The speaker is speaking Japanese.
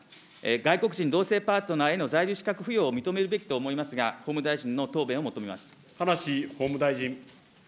外国人同性パートナーへの在留資格付与を認めるべきと思いますが、葉梨法務大臣。